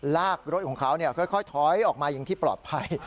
ลากรถของเขาค่อยถอยออกมาอย่างที่ปลอดภัย